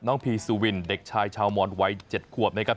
พีซูวินเด็กชายชาวมอนวัย๗ขวบนะครับ